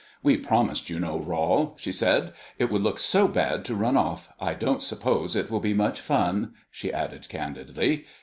"We promised, you know, Rol," she said, "and it would look so bad to run off. I don't suppose it will be much fun," she added candidly.